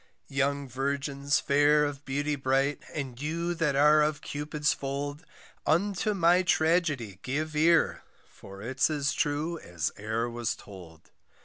Young virgins fair of beauty bright, And you that are of Cupid's fold, Unto my tragedy give ear, For it's as true as e'er was told.